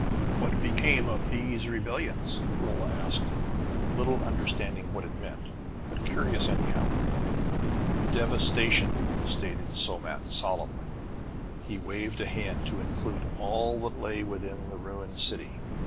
"What became of these rebellions?" Rolla asked, little understanding what it meant, but curious anyhow. "Devastation!" stated Somat solemnly. He waved a hand, to include all that lay within the ruined city.